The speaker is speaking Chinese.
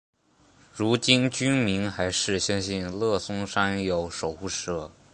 如今居民还是相信乐松山有守护者。